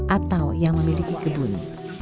atau yang memiliki gedung